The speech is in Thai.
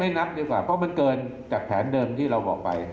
นับดีกว่าเพราะมันเกินจากแผนเดิมที่เราบอกไป